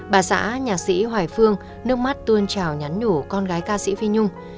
bà xã nhạc sĩ hoài phương nước mắt tuôn trào nhắn nhủ con gái ca sĩ phi nhung